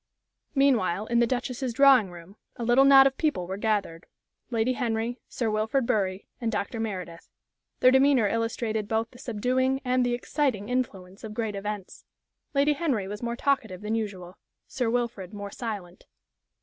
Meanwhile in the Duchess's drawing room a little knot of people was gathered Lady Henry, Sir Wilfrid Bury, and Dr. Meredith. Their demeanor illustrated both the subduing and the exciting influence of great events. Lady Henry was more talkative than usual. Sir Wilfrid more silent.